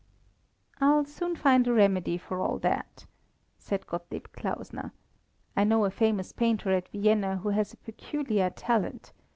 "I'll soon find a remedy for all that," said Gottlieb Klausner. "I know a famous painter at Vienna who has a peculiar talent.